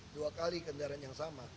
dua kali kendaraan yang sama